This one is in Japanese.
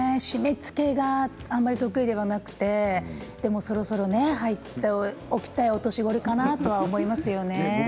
締めつけがあまり得意ではなくてでもそろそろはいておきたいお年頃かなと思いますよね。